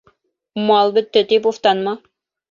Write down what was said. Мал бөттө тип уфтанма: